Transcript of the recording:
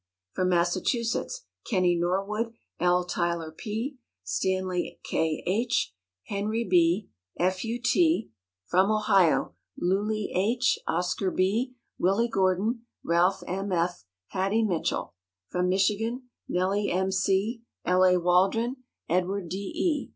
from Massachusetts Kennie Norwood, L. Tyler P., Stanley K. H., Harry B., F. U. T.; from Ohio Lulie H., Oscar B., Willie Gordon, Ralph M. F., Hattie Mitchell; from Michigan Nellie M. C., L. A. Waldron, Edward D. E.